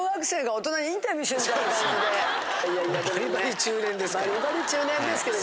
バリバリ中年ですけど。